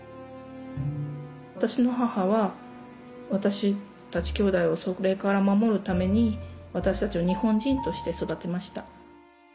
私の母は私たちきょうだいをそれから守るために私たちを日本人として育てました。